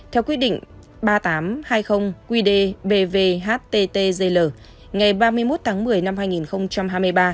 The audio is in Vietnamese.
theo quyết định ba nghìn tám trăm hai mươi qd bvhttg ngày ba mươi một tháng một mươi năm hai nghìn hai mươi ba